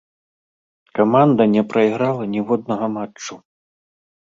Каманда не прайграла ніводнага матчу.